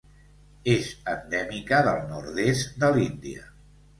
És endèmica del nord-est de l'Índia.